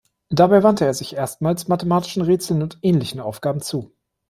Dabei wandte er sich erstmals mathematischen Rätseln und ähnlichen Aufgaben zu.